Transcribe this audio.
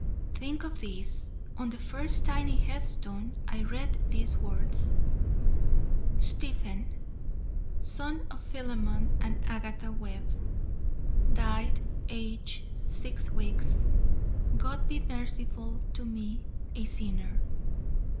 Think of this! On the first tiny headstone I read these words:" STEPHEN, Son of Philemon and Agatha Webb, Died, Aged Six Weeks. God be merciful to me a sinner!